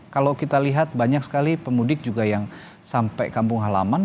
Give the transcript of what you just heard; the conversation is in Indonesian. kalau kita lihat banyak sekali pemudik juga yang sampai kampung halaman